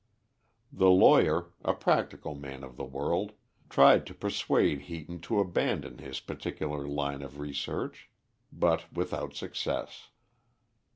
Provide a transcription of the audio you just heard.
The lawyer, a practical man of the world, tried to persuade Heaton to abandon his particular line of research, but without success.